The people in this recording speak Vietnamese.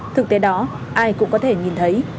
thực tế đó ai cũng có thể nhìn thấy